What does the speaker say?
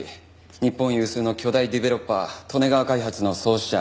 日本有数の巨大デベロッパー利根川開発の創始者